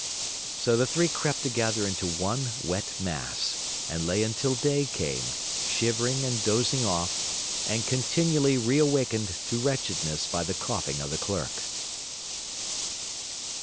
So the three crept together into one wet mass, and lay until day came, shivering and dozing off, and continually re awakened to wretchedness by the coughing of the clerk.